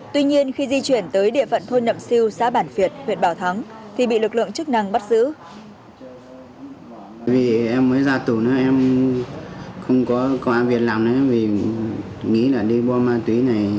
tuy nhiên khi di chuyển tới địa phận thôn nậm siêu xã bản việt huyện bảo thắng thì bị lực lượng chức năng bắt giữ